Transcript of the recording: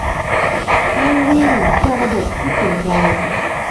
ไม่วิ่งเพื่อระบบที่เปลี่ยนแปลง